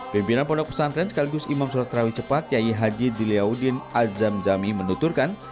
pimpinan pondok pesantren sekaligus imam sholat tarawih cepat yayi haji diliaudin azamzami menuturkan